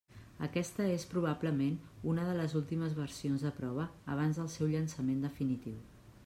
Aquesta és probablement una de les últimes versions de prova abans del seu llançament definitiu.